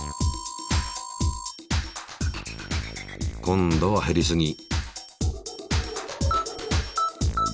今度は減りすぎ。